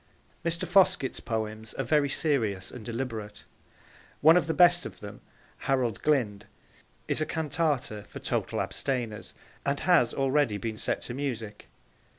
Mr. Foskett's poems are very serious and deliberate. One of the best of them, Harold Glynde, is a Cantata for Total Abstainers, and has already been set to music.